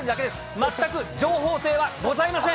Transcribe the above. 全く情報性はございません。